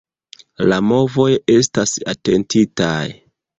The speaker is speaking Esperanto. La movoj estas atentitaj.